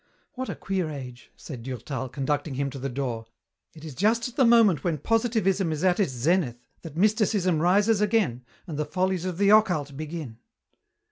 "What a queer age," said Durtal, conducting him to the door. "It is just at the moment when positivism is at its zenith that mysticism rises again and the follies of the occult begin."